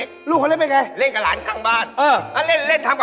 คู่หน้ามอเตอร์ชัย